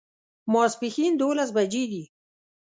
ماسپښین دوولس بجې دي